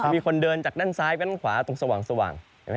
มีคนเดินจากด้านซ้ายกับขวาตรงสว่างสว่าง